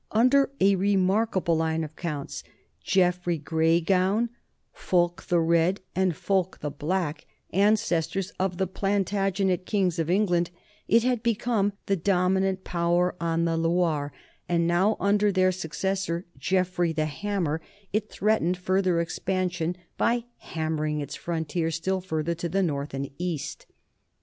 Under a remarkable line of counts, Geof frey Grey gown, Fulk the Red, and Fulk the Black, an cestors of the Plantagenet kings of England, it had become the dominant power on the Loire, and now under their successor Geoffrey the Hammer it threatened 62 NORMANS IN EUROPEAN HISTORY further expansion by hammering its frontiers still fur ther to the north and east.